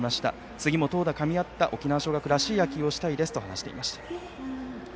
次も投打かみ合った沖縄尚学らしい野球をしたいですと話していました。